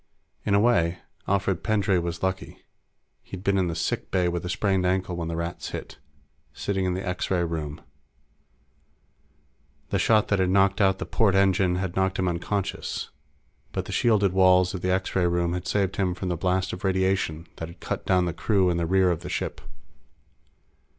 In a way, Alfred Pendray was lucky. He'd been in the sick bay with a sprained ankle when the Rats hit, sitting in the X ray room. The shot that had knocked out the port engine had knocked him unconscious, but the shielded walls of the X ray room had saved him from the blast of radiation that had cut down the crew in the rear of the ship.